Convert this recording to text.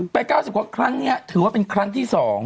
๙๐กว่าครั้งนี้ถือว่าเป็นครั้งที่๒